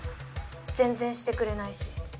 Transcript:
全然してくれないし。